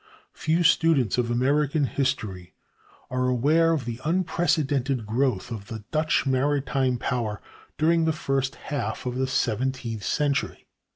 Few students of American history are aware of the unprecedented growth of the Dutch maritime power during the first half of the seventeenth century.